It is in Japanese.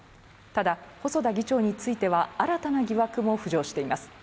ただ、細田議長については新たな疑惑も浮上しています。